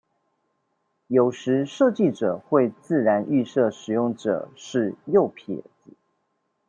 有時設計者會自然預設使用者是右撇子